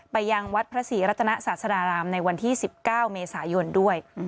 ยังวัดพระศรีรัตนศาสดารามในวันที่๑๙เมษายนด้วย